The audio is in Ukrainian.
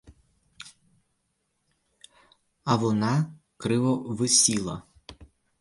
А вона криво висіла.